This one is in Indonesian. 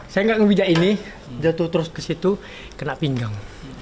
saya nggak ngewida ini jatuh terus ke situ kena pinggang